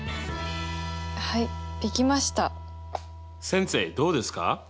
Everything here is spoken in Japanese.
先生どうですか？